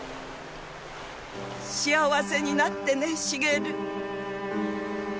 幸せになってね茂。